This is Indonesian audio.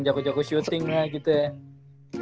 jaku jaku shooting nya gitu ya